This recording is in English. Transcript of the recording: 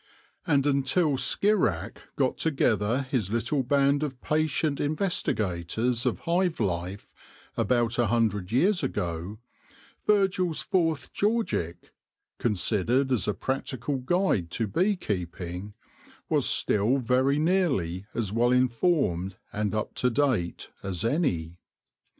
And until Schirach got together his little band of patient investigators of hive life about a hundred years ago, Virgil's fourth Georgic — considered as a practical guide to bee keep ing — was still very nearly as well informed and up to date as any.